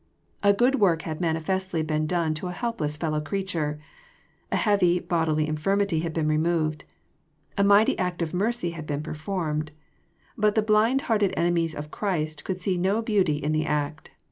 A good work had manifestly been done to a helpless fellow creature. A heavy bodily infirmity had been re moved. A mighty act of mercy had been performed. But the blind hearted enemies of Christ could see no beauty in the act.